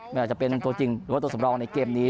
ไม่ว่าจะเป็นตัวจริงหรือว่าตัวสำรองในเกมนี้